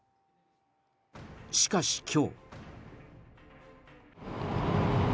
しかし、今日。